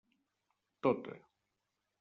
Tota.